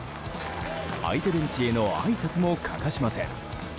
相手ベンチへのあいさつも欠かしません。